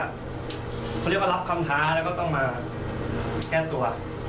เขาเรียกว่ารับคำท้าแล้วก็ต้องมาแก้ตัว